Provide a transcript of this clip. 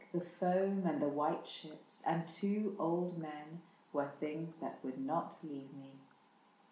The foam and the white ships, and two old men Were things that would not leave me.